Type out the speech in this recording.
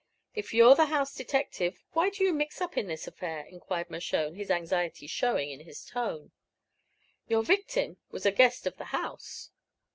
"If you're the house detective, why do you mix up in this affair?" enquired Mershone, his anxiety showing in his tone. "Your victim was a guest of the house."